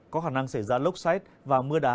có khả năng xảy ra lốc xét và mưa đá